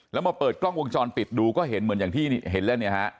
แล้วมาเปิดกล้องวงจรปิดดูก็เห็นเหมือนอย่างที่เห็นแล้วเนี่ยฮะ